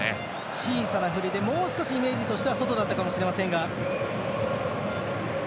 小さな振りでもう少しイメージとしては外だったかもしれませんが。